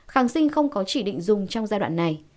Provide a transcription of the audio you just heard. kháng sinh không có chỉ định dùng trong giai đoạn này